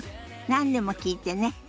何でも聞いてね。